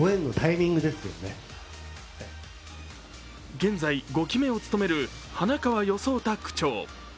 現在５期目を務める花川與惣太区長。